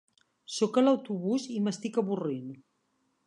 Soc a l'autobús i m'estic avorrint.